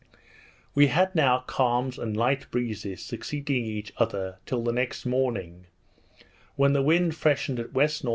We had now calms and light breezes, succeeding each other, till the next morning, when the wind freshened at W.N.W.